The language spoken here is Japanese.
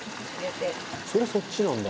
「それそっちなんだ」